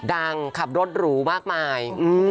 ดังครับรดหรูมากมาย